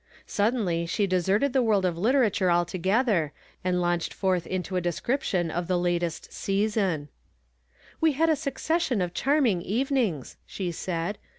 Suddenly she deserted the world of literature altogethei , and launched forth into a description of the last "sea son." "We had a succession of charming evenings," she said.